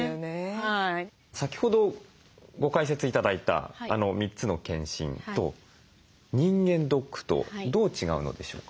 先ほどご解説頂いた３つの健診と人間ドックとどう違うのでしょうか？